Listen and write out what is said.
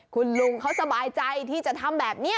คุณลุงเขาสบายใจที่จะทำแบบนี้